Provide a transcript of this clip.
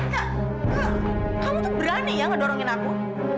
kak kamu tuh berani ya ngedorongin aku